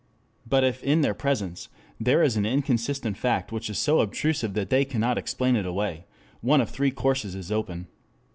But if in their presence, there is an insistent fact which is so obtrusive that they cannot explain it away, one of three courses is open.